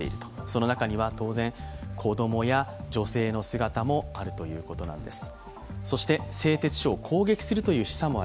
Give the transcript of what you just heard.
その中には当然、女性や子供の姿もあるということです。